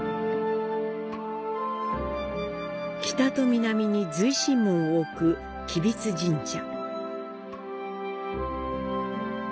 北と南に随神門を置く吉備津神社。